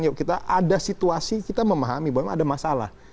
yuk kita ada situasi kita memahami bahwa memang ada masalah